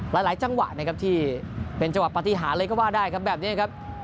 หลายจังหวะนะครับที่เป็นจังหวะปฏิหารเลยก็ว่าได้ครับแบบนี้ครับ